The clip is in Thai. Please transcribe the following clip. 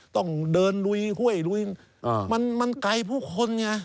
ต้องเดินลุยห้วยมันไกลภูเขาง่ะ